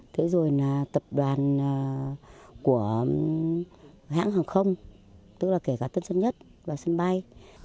thế rồi là tập đoàn của hãng hàng không tức là kể cả tân sân nhất và sân bay